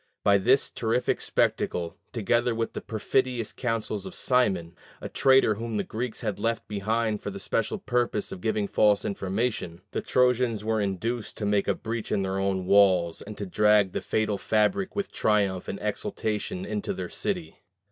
By this terrific spectacle, together with the perfidious counsels of Simon a traitor whom the Greeks had left behind for the special purpose of giving false information the Trojans were induced to make a breach in their own walls, and to drag the fatal fabric with triumph and exultation into their city.